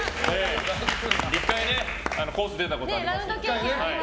１回、コース出たことありますので。